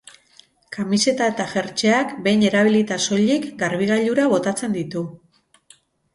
Kamiseta eta jertseak behin erabilita soilik garbigailura botatzen ditu.